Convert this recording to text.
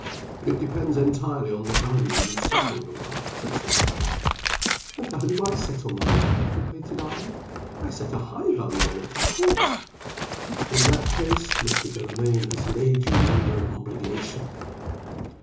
"It depends entirely on the value you set on your life," said Sir Patrick. "The value I set on my life?" repeated Arnold. "I set a high value on it, of course!" "In that case, Mr. Delamayn has laid you under an obligation."